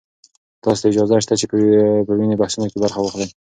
تاسو ته اجازه شته چې په دیني بحثونو کې برخه واخلئ.